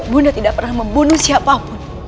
bunda tidak pernah membunuh siapapun